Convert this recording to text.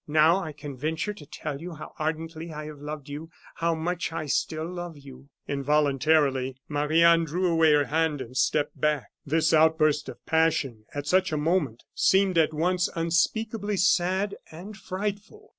Now, I can venture to tell you how ardently I have loved you how much I still love you." Involuntarily Marie Anne drew away her hand and stepped back. This outburst of passion, at such a moment, seemed at once unspeakably sad and frightful.